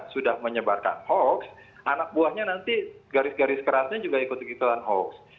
sudah menyebarkan hoax anak buahnya nanti garis garis kerasnya juga ikut ikutan hoax